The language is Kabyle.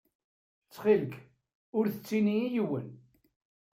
Ttxil-k, ur t-ttini i yiwen.